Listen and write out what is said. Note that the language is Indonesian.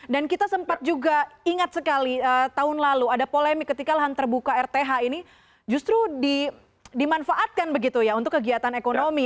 kita sempat juga ingat sekali tahun lalu ada polemik ketika lahan terbuka rth ini justru dimanfaatkan begitu ya untuk kegiatan ekonomi